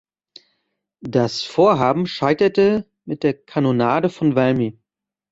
Das Vorhaben scheiterte mit der Kanonade von Valmy.